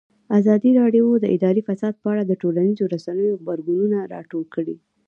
ازادي راډیو د اداري فساد په اړه د ټولنیزو رسنیو غبرګونونه راټول کړي.